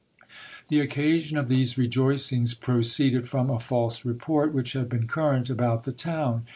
The occasion of these rejoicings pro ceeded from a false report, which had been current about the town.